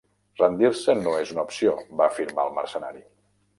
"Rendir-se no és una opció", va afirmar el mercenari.